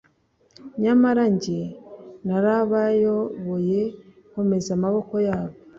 Nyamara jye narabayoboye, nkomeza amaboko yabo,